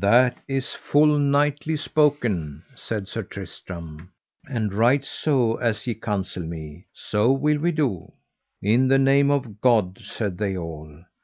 That is full knightly spoken, said Sir Tristram; and right so as ye counsel me, so will we do. In the name of God, said they all.